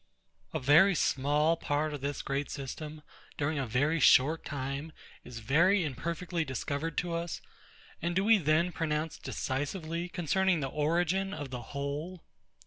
A very small part of this great system, during a very short time, is very imperfectly discovered to us; and do we thence pronounce decisively concerning the origin of the whole?